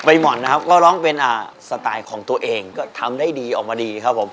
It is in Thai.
หม่อนนะครับก็ร้องเป็นสไตล์ของตัวเองก็ทำได้ดีออกมาดีครับผม